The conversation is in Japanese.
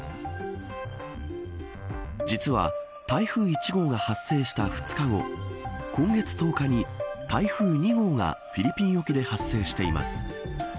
実は、台風１号が発生した２日後今月１０日に台風２号がフィリピン沖で発生しています。